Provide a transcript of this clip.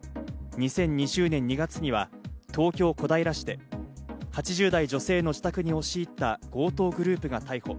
２０２０年２月には東京・小平市で８０代女性の自宅に押し入った強盗グループが逮捕。